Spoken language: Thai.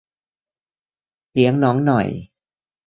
เลี้ยงน้องหน่อย